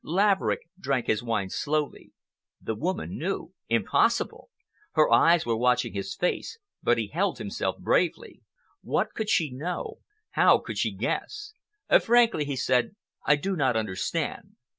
Laverick drank his wine slowly. The woman knew! Impossible! Her eyes were watching his face, but he held himself bravely. What could she know? How could she guess? "Frankly," he said, "I do not understand.